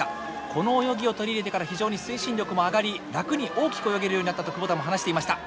この泳ぎを取り入れてから非常に推進力も上がり楽に大きく泳げるようになったと窪田も話していました。